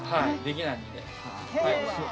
できないので。